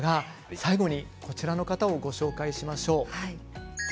最後にこちらの方をご紹介します。